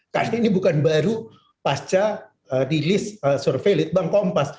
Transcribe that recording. karena ini bukan baru pasca rilis survei litbang kompas